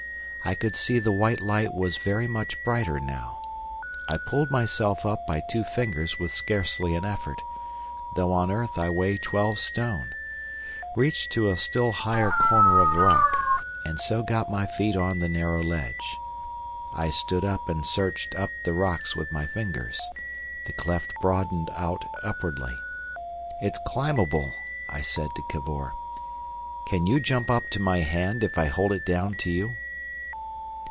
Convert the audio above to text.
I could see the white light was very much brighter now. I pulled myself up by two fingers with scarcely an effort, though on earth I weigh twelve stone, reached to a still higher corner of rock, and so got my feet on the narrow ledge. I stood up and searched up the rocks with my fingers; the cleft broadened out upwardly. "It's climbable," I said to Cavor. "Can you jump up to my hand if I hold it down to you?"